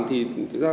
thì không có lý do gì